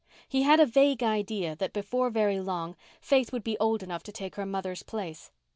He had a vague idea that before very long Faith would be old enough to take her mother's place.